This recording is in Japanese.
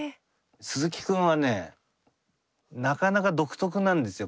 鈴木くんはねなかなか独特なんですよ